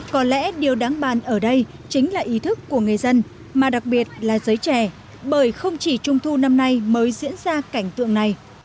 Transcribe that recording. có lẽ điều đáng bàn ở đây chính là ý thức của người dân mà đặc biệt là giới trẻ bởi không chỉ trung thu năm nay mới diễn ra cảnh tượng này